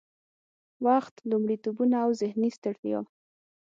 وخت، لومړيتوبونه او ذهني ستړيا